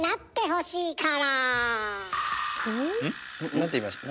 何て言いました？